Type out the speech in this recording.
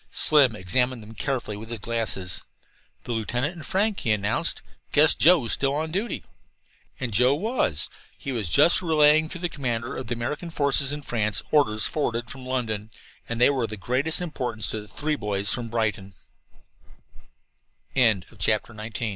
Slim examined them carefully with his glasses. "The lieutenant and Frank," he announced. "Guess Joe's still on duty." And Joe was. He was just relaying to the commander of the American forces in France orders forwarded from London, and they were of the greatest import to